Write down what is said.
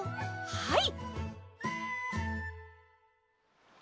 はい！